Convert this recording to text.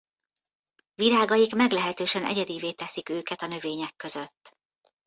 Virágaik meglehetősen egyedivé teszik őket a növények között.